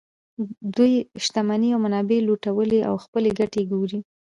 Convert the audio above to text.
دوی شتمنۍ او منابع لوټوي او خپلې ګټې ګوري